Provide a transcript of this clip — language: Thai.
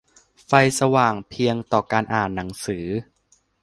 ไฟสว่างเพียงพอต่อการอ่านหนังสือ